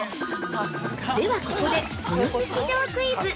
◆ではここで、豊洲市場クイズ！